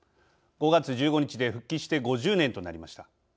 ５月１５日で復帰して５０年となりました。